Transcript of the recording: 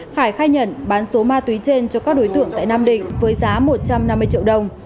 khải khai nhận bán số ma túy trên cho các đối tượng tại nam định với giá một trăm năm mươi triệu đồng